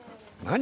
何？